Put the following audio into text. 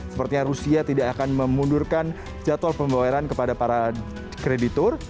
sepertinya rusia tidak akan memundurkan jadwal pembawaan kepada para kreditur